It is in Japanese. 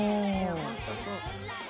本当そう。